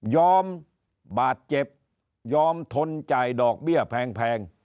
บาดเจ็บยอมทนจ่ายดอกเบี้ยแพง